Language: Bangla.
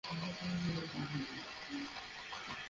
আমি তোকে হত্যা করবো, ফিওরনের!